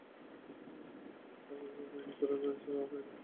তাকে তুমি মেরে ফেলেছো, তাই না?